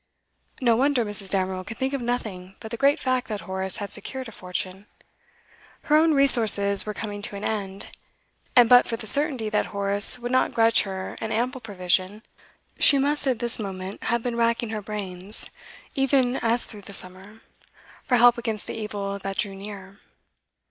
No wonder Mrs. Damerel could think of nothing but the great fact that Horace had secured a fortune. Her own resources were coming to an end, and but for the certainty that Horace would not grudge her an ample provision, she must at this moment have been racking her brains (even as through the summer) for help against the evil that drew near.